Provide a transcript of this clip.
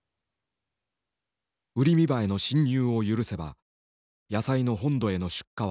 ウリミバエの侵入を許せば野菜の本土への出荷は難しくなる。